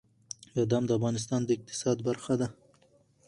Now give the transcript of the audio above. بادام د افغانستان د اقتصاد برخه ده.